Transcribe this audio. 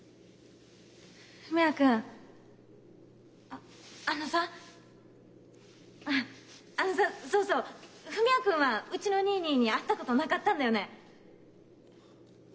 ああのさあのさそうそう文也君はうちの兄い兄いに会ったことなかったんだよね？